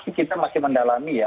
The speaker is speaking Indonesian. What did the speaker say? tapi kita masih mendalami ya